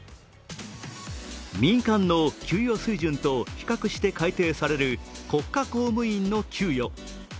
民間の給与水準と比較して改定される国家公務員の給与。